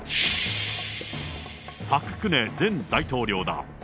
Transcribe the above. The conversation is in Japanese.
パク・クネ前大統領だ。